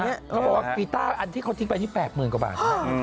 กีต้าร์อันที่เขาทิ้งไปที่แปบหมื่นกว่าบาท